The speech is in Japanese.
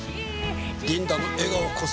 リンダの笑顔こそ希望。